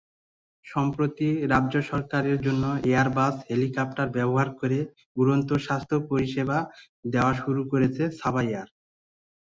সম্প্রতি রাজ্য সরকারের জন্য এয়ারবাস হেলিকপ্টার ব্যবহার করে উড়ন্ত স্বাস্থ্য পরিষেবা দেওয়া শুরু করেছে সাবাহ এয়ার।